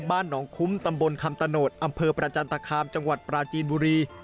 บ้านหนองคุ้มตำบลคำตะโนธอำเภอประจันตคามจังหวัดปราจีนบุรี